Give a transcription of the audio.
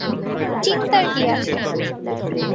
চিন্তার কী আছে?